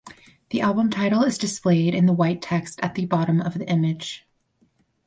The album title is displayed in white text at the bottom of the image.